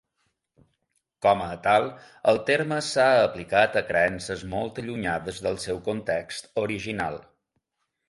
Com a tal, el terme s'ha aplicat a creences molt allunyades del seu context original.